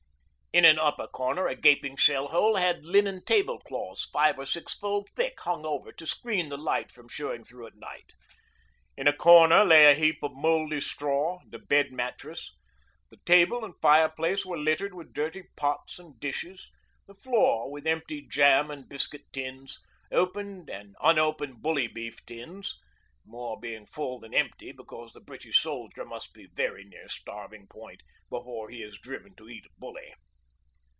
In an upper corner a gaping shell hole had linen table cloths five or six fold thick hung over to screen the light from showing through at night. In a corner lay a heap of mouldy straw and a bed mattress; the table and fireplace were littered with dirty pots and dishes, the floor with empty jam and biscuit tins, opened and unopened bully beef tins, more being full than empty because the British soldier must be very near starving point before he is driven to eat 'bully.'